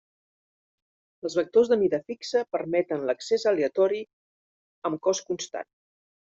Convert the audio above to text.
Els vectors de mida fixa permeten l'accés aleatori amb cost constant.